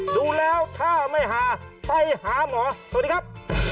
ดูแล้วถ้าไม่หาไปหาหมอสวัสดีครับ